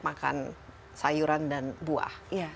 makan sayuran dan buah